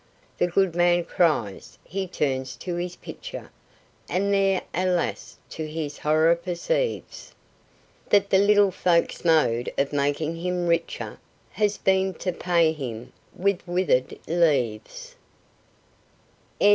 The good man cries. He turns to his pitcher, And there, alas, to his horror perceives That the little folk's mode of making him richer Has been to pay him with withered leaves!